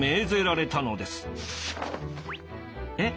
えっ？